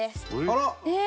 あら！